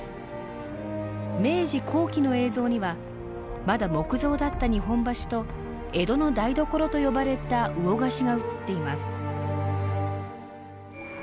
明治後期の映像にはまだ木造だった日本橋と江戸の台所と呼ばれた魚河岸が映っています。